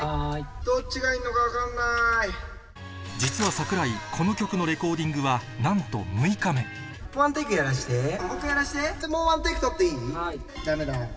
実は桜井この曲のレコーディングはなんと６日目やらして。